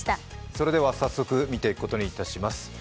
それでは早速見ていくことにいたします。